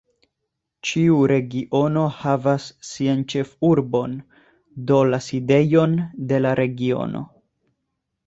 Ĉiu regiono havas sian "ĉefurbon", do la sidejon de la regiono.